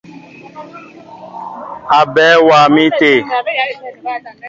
Aɓέɛ waá mi té.